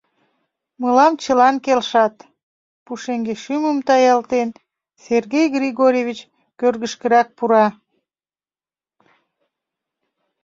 — Мылам чылан келшат, — пушеҥге шӱмым таялтен, Сергей Григорьевич кӧргышкырак пура.